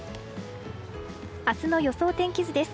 明日の予想天気図です。